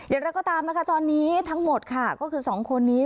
อย่างไรก็ตามนะคะตอนนี้ทั้งหมดค่ะก็คือ๒คนนี้